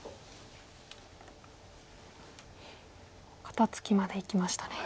肩ツキまでいきましたね。